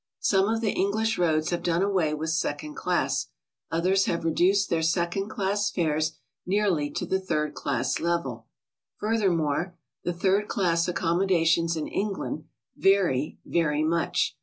Some of the English roads have done away with second class, others have reduced their second class fares nearly to the third class level. Furthermore, the third class accommo dations in England vary very much.